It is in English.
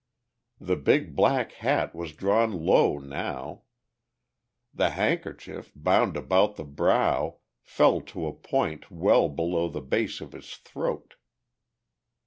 The big black hat was drawn low, now; the handkerchief, bound about the brow, fell to a point well below the base of his throat.